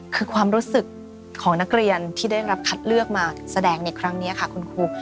คือความรู้สึกของนักเรียนที่ได้รับคัดเลือกมาแสดงในครั้งนี้ค่ะคุณครู